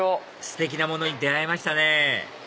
ステキなものに出会えましたね